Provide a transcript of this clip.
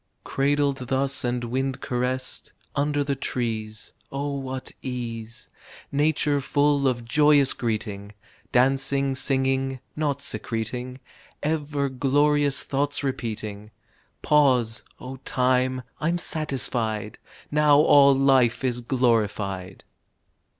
"Cradled thus and wind caressed," Under the trees, (Oh what ease.) Nature full of joyous greeting; Dancing, singing, naught secreting, Ever glorious thoughts repeating Pause, O Time, I'm satisfied! Now all life Is glorified!